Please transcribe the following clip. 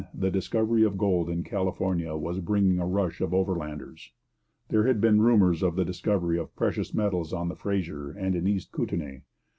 ] By 1849 the discovery of gold in California was bringing a rush of overlanders. There had been rumours of the discovery of precious metals on the Fraser and in East Kootenay.